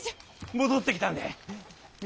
戻ってきたんだい。